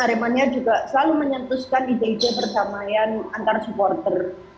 dan aremania juga selalu menyentuhkan ide ide perdamaian antar supporter